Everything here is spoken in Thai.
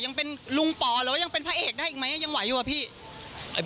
ยังเป็นลุงป๋อหรือว่ายังเป็นพระเอกได้อีกไหมยังไหวอยู่อะพี่